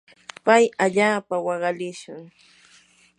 pay allaapa waqalishun.